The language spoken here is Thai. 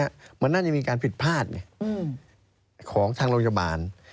เหมือนมันยังมีการผิดพลาดของทางโรงยาบาล